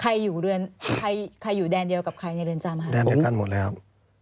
อยู่เรือนใครใครอยู่แดนเดียวกับใครในเรือนจำคะแดนเดียวกันหมดเลยครับ